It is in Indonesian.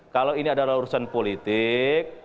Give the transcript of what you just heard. kalau ini adalah urusan politik